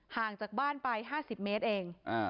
ห่างจากบ้านไป๕๐เมตรเอง